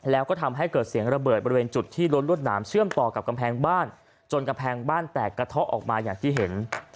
แล้วก็ทำให้เกิดเสียงระเบิดบริเวณจุดที่ล้วนรวดหนามเชื่อมต่อกับกำแพงบ้านจนกำแพงบ้านแตกกระเทาะออกมาอย่างที่เห็น